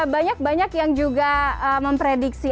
banyak banyak yang juga memprediksi